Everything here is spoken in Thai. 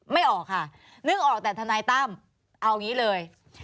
ไม่ออกค่ะนึกออกแต่ทนายตั้มเอางี้เลย